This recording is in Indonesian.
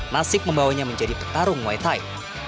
nasik membawanya menjadi petarung moetai